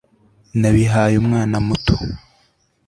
nabihaye umwana muto